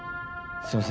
すいません